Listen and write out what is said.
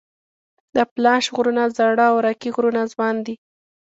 د اپلاش غرونه زاړه او راکي غرونه ځوان دي.